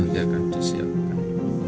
nanti akan disiapkan